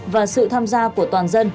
và sự tham gia của toàn dân